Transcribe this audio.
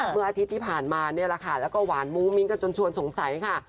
เมื่ออาทิตย์ที่ผ่านมาแล้วก็หวานมุ้วมิ้นกันจนชวนสงสัยค่ะ